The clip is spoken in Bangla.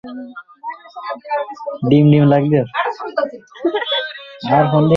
একজন ভ্যাম্পায়ার যার মাথাটা গেছে, যে নিজের বিছানাকে নোংরা করেছে!